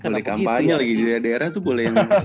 kalo kampanye lagi di daerah tuh boleh yang